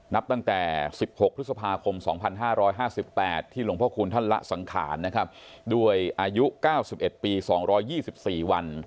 นับตั้งแต่๑๖พฤษภาคม๒๕๕๘ที่หลวงพระคุณท่านละสังขารนะครับด้วยอายุ๙๑ปี๒๒๔วัน